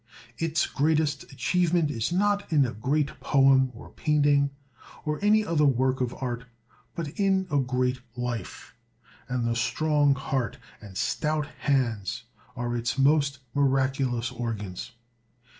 Its greatest achievement is not in a great poem or painting, or any other work of art, but in a great life; and the strong heart and stout hands are its most miraculous organs.